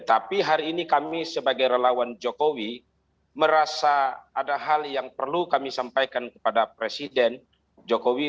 tapi hari ini kami sebagai relawan jokowi merasa ada hal yang perlu kami sampaikan kepada presiden jokowi